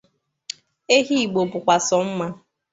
Ehi Igbo bụkwa sọ mma